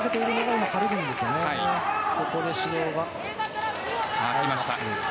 ここで指導が入りました。